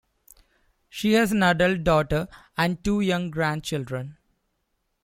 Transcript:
She has an adult daughter and two young grandchildren.